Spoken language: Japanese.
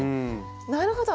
なるほど。